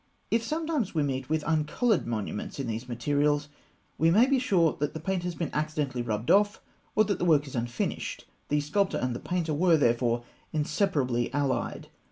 If sometimes we meet with uncoloured monuments in these materials, we may be sure that the paint has been accidentally rubbed off, or that the work is unfinished. The sculptor and the painter were therefore inseparably allied.